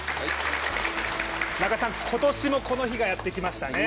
今年もこの日がやってきましたね。